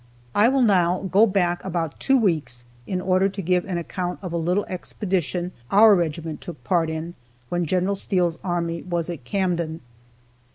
I will now go back about two weeks in order to give an account of a little expedition our regiment took part in when Gen. Steele's army was at Camden.